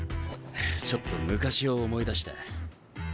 ちょっと昔を思い出した。